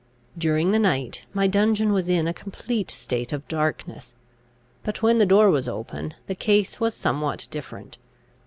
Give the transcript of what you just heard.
During the night, my dungeon was in a complete state of darkness; but, when the door was open, the case was somewhat different.